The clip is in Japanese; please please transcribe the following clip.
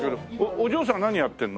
お嬢さんは何やってるの？